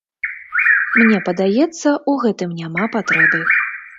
Мне падаецца, у гэтым няма патрэбы.